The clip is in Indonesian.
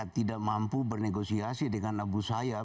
tidak mampu bernegosiasi dengan abu sayyaf